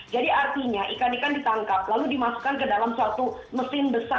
jadi artinya ikan ikan ditangkap lalu dimasukkan ke dalam suatu mesin besar betul ya